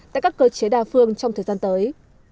tại các cơ chế đa phương trong thời gian tới